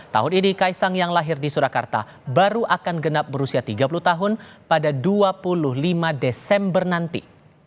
tahun ini kaisang yang lahir di surakarta baru akan genap berusia tiga puluh tahun pada dua puluh lima desember nanti